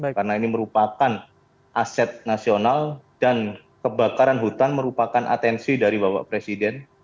karena ini merupakan aset nasional dan kebakaran hutan merupakan atensi dari bapak presiden